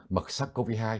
mật sắc covid hai